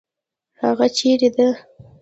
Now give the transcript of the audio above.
هغه چیرې ده؟